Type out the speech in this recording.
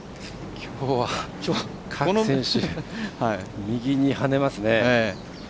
きょうは各選手右に跳ねますね。